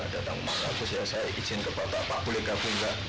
datang mas agus ya saya izin ke bapak pak boleh gak